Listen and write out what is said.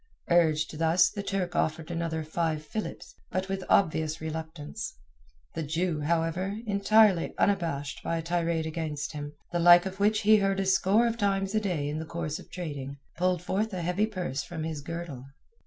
Urged thus the Turk offered another five Philips, but with obvious reluctance. The Jew, however, entirely unabashed by a tirade against him, the like of which he heard a score of times a day in the course of trading, pulled forth a heavy purse from his girdle.